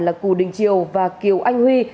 là cù đình triều và kiều anh huy